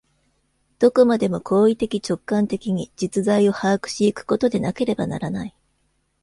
どこまでも行為的直観的に実在を把握し行くことでなければならない。